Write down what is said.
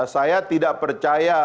saya tidak percaya